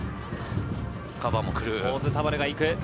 大津・田原が行く。